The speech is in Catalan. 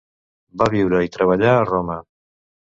Va viure i treballar a Roma.